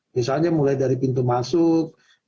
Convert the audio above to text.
misalnya mulai dari pintu masuk